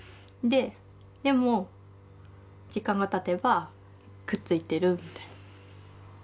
でも時間がたてばくっついてるみたいな。